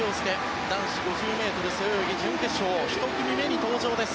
男子５０ｍ背泳ぎ準決勝１組目に登場です。